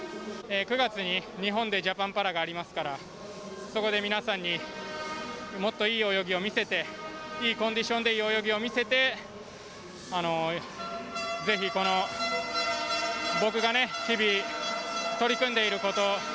９月に日本でジャパンパラがありますからそこで皆さんにもっといい泳ぎを見せていいコンディションでいい泳ぎを見せて是非この僕がね日々取り組んでいること。